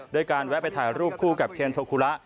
ด้วยการแวะไปถ่ายรูปคู่กับเคนโทคุระ